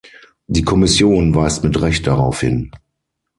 Die Kommission weist mit Recht darauf hin.